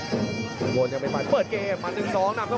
พยายามจะตีจิ๊กเข้าที่ประเภทหน้าขาครับ